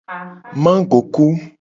Magoku.